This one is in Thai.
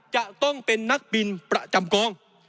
จะต้องเป็นนักบินประจำกอง